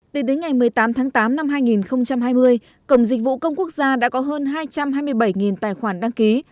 từ đến ngày một mươi tám tháng tám năm hai nghìn hai mươi cổng dịch vụ công quốc gia đã có hơn hai trăm hai mươi bảy tài khoản đăng ký